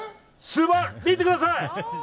見てください。